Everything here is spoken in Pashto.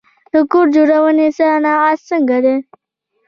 د کور جوړونې صنعت څنګه دی؟